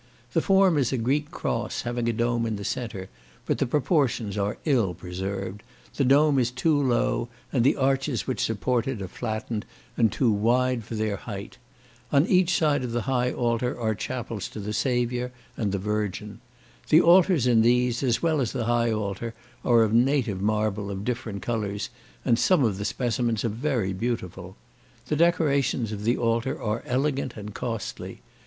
The form is a Greek cross, having a dome in the centre; but the proportions are ill preserved; the dome is too low, and the arches which support it are flattened, and too wide for their height. On each side of the high altar are chapels to the Saviour and the Virgin. The altars in these, as well as the high altar, are of native marble of different colours, and some of the specimens are very beautiful. The decorations of the altar are elegant and costly.